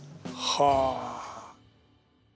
はあ。